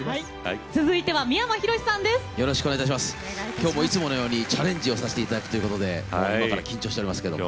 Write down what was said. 今日もいつものようにチャレンジをさせて頂くということで今から緊張しておりますけども。